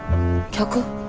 客？